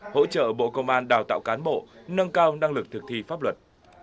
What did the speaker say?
hỗ trợ bộ công an đào tạo cán bộ nâng cao năng lực thực thi pháp luật